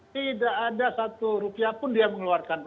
tidak ada satu rupiah pun dia mengeluarkan uang